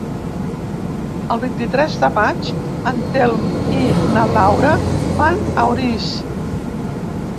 El vint-i-tres de maig en Telm i na Laura van a Orís.